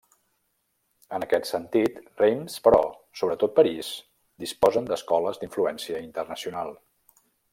En aquest sentit, Reims, però sobretot París, disposen d'escoles d'influència internacional.